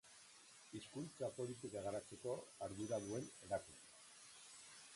Hizkuntza politika garatzeko ardura duen erakundea.